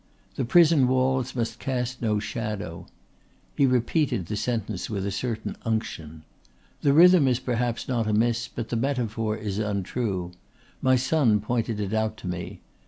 The Prison Walls must Cast no Shadow." He repeated the sentence with a certain unction. "The rhythm is perhaps not amiss but the metaphor is untrue. My son pointed it out to me.